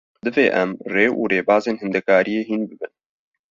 Divê em, rê û rêbazên hîndekariyê hîn bibin